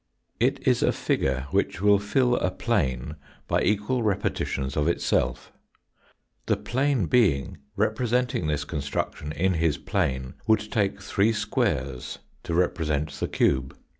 It is a figure which will fill a plane by equal repetitions of itself. The plane being representing this construction in his plane would take three squares to represent the cube.